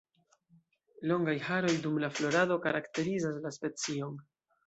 Longaj haroj dum la florado karakterizas la specion.